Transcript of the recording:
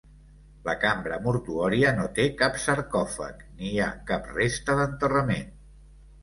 La cambra mortuòria no té cap sarcòfag ni hi ha cap resta d'enterrament.